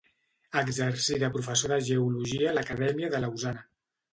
Exercí de professor de geologia a l'Acadèmia de Lausana.